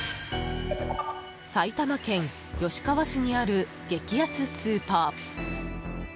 埼玉県吉川市にある激安スーパー。